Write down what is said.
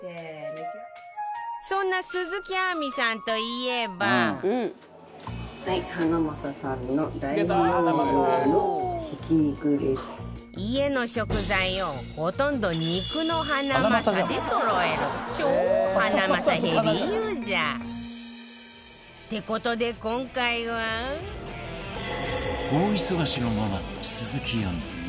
そんな鈴木亜美さんといえば家の食材を、ほとんど肉のハナマサでそろえる超ハナマサヘビーユーザーって事で、今回は大忙しのママ、鈴木亜美